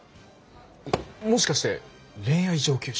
もしかして恋愛上級者？